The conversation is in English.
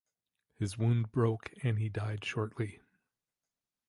His wound broke and he died shortly.